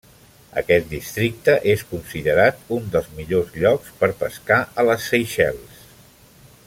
Aquest districte és considerat un dels millors llocs per pescar a les Seychelles.